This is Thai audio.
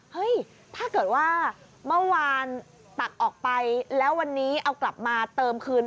ถ้าเกิดว่าเมื่อวานตักออกไปแล้ววันนี้เอากลับมาเติมคืน